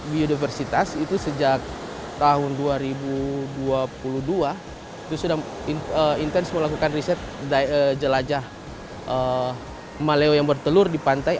biodiversitas itu sejak tahun dua ribu dua puluh dua itu sudah intens melakukan riset jelajah maleo yang bertelur di pantai